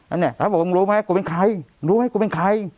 อันนี้พระบอกมึงรู้ไหมกูเป็นใครรู้ไหมกูเป็นใคร